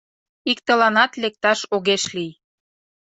Иктыланат лекташ огеш лий.